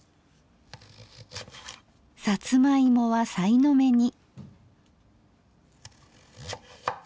さつま芋はさいの目に。